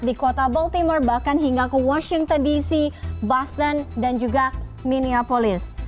di kota baltimore bahkan hingga ke washington dc boston dan juga minneapolis